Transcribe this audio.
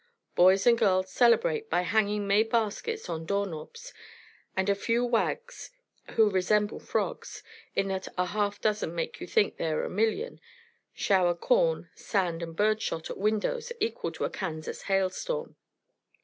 Boys and girls celebrate by hanging May baskets on door knobs, and a few wags, who resemble frogs, in that a half dozen make you think they are a million, shower corn, sand and bird shot at windows equal to a Kansas hail storm.